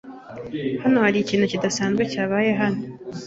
Hano hari ikintu kidasanzwe cyabaye hano.